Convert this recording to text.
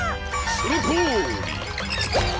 そのとおり！